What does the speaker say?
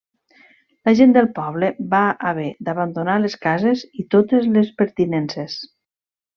La gent del poble va haver d'abandonar les cases i totes les pertinences.